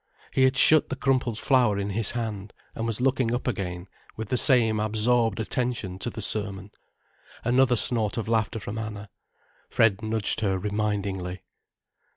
He had shut the crumpled flower in his hand and was looking up again with the same absorbed attention to the sermon. Another snort of laughter from Anna. Fred nudged her remindingly.